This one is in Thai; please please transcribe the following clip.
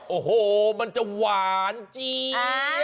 โอ้โหมันจะหวานจริง